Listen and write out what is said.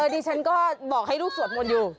ดิฉันก็บอกให้ลูกสวดมนต์อยู่